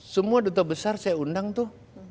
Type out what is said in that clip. semua duta besar saya undang tuh